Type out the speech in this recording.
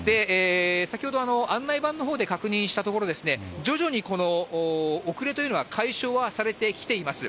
先ほど案内板のほうで確認したところ、徐々にこの遅れというのは解消はされてきています。